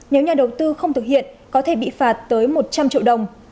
nếu nhà đầu tư không thực hiện có thể bị phạt tới một trăm linh triệu đồng